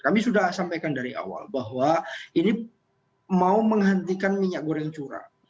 kami sudah sampaikan dari awal bahwa ini mau menghentikan minyak goreng curah